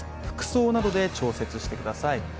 服装などで調節してください。